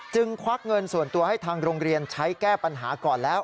ควักเงินส่วนตัวให้ทางโรงเรียนใช้แก้ปัญหาก่อนแล้ว